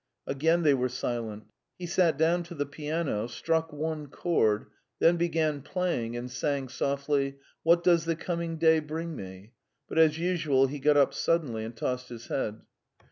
Again they were silent. He sat down to the piano, struck one chord, then began playing, and sang softly, "What does the coming day bring me?" but as usual he got up suddenly and tossed his head.